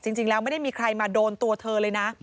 จริงแล้วไม่ได้มีใครมาโดนตัวเธอเลยนะ